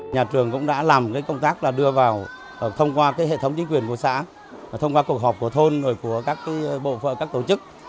nhà trường cũng đã làm công tác là đưa vào thông qua hệ thống chính quyền của xã thông qua cuộc họp của thôn rồi của các bộ phận các tổ chức